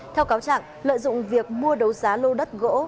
theo cáo trạng lợi dụng việc mua đấu giá lô đất gỗ